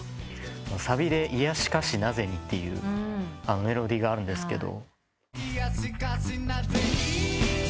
サビで「いやしかし何故に」ってメロディーがあるんですけど。